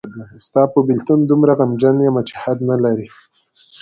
ستاپه بیلتون دومره غمجن یمه چی حد نلری.